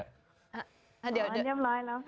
เรียบร้อยแล้วค่ะ